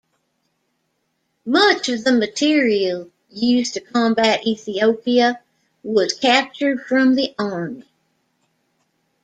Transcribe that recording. Much of the material used to combat Ethiopia was captured from the army.